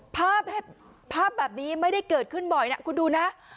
ภาพภาพแบบนี้ไม่ได้เกิดขึ้นบ่อยนะคุณดูนะ